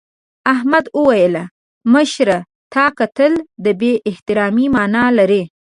احمد وویل مشر ته کتل د بې احترامۍ مانا لري.